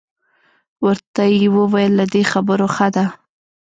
ورته یې وویل له دې خبرو ښه ده.